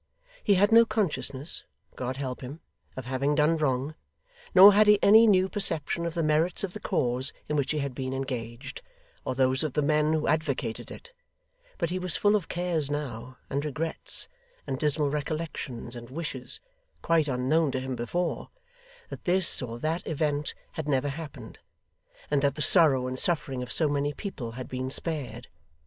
He had no consciousness, God help him, of having done wrong, nor had he any new perception of the merits of the cause in which he had been engaged, or those of the men who advocated it; but he was full of cares now, and regrets, and dismal recollections, and wishes (quite unknown to him before) that this or that event had never happened, and that the sorrow and suffering of so many people had been spared.